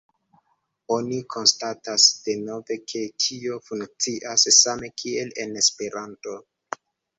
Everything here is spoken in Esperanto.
Oni konstatas denove, ke tio funkcias same kiel en Esperanto.